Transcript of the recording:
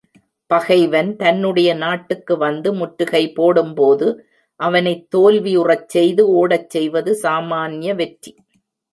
பகைவன் தன்னுடைய நாட்டுக்கு வந்து முற்றுகை போடும்போது, அவனைத் தோல்வியுறச் செய்து ஒடச் செய்வது சாமான்ய வெற்றி.